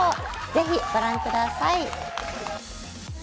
ぜひご覧ください。